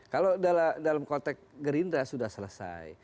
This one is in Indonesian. kalau dalam konteks gerindra sudah selesai